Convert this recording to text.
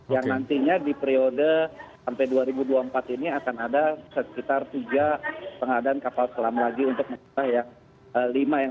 yang nantinya di periode sampai dua ribu dua puluh empat ini akan ada sekitar tiga pengadaan kapal selam lagi untuk mengubah yang lima ya